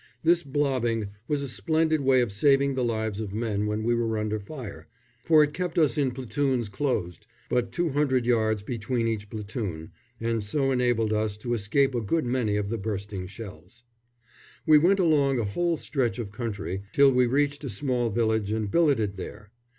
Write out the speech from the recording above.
This "blobbing" was a splendid way of saving the lives of men when we were under fire, for it kept us in platoons closed, but 200 yards between each platoon, and so enabled us to escape a good many of the bursting shells. We went along a whole stretch of country till we reached a small village and billeted there.